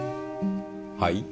はい？